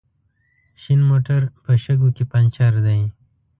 شين موټر په شګو کې پنچر دی